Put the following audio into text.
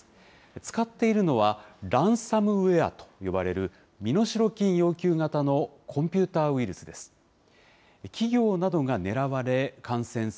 使っているのは、ランサムウエアと呼ばれる、身代金要求型のコンピューターウイルスです。